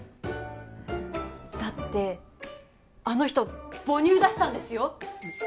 だってあの人母乳出したんですよ